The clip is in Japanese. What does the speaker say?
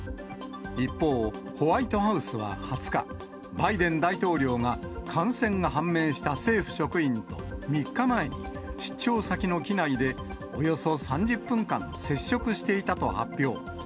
一方、ホワイトハウスは２０日、バイデン大統領が、感染が判明した政府職員と、３日前に出張先の機内でおよそ３０分間接触していたと発表。